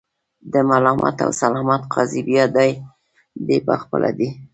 د ملامت او سلامت قاضي بیا دای په خپله دی.